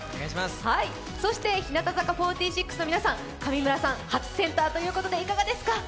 そして日向坂４６の皆さん、上村さん初センターということですが。